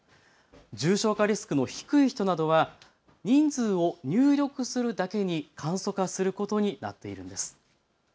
重症化リスクの低い人などは人数を入力するだけに簡素化することになっているんです。